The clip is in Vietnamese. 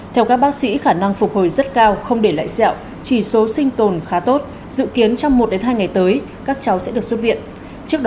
theo các bác sĩ khả năng phục hồi rất cao không để lại sẹo chỉ số sinh tồn khá tốt dự kiến trong một hai ngày tới các cháu sẽ được xuất viện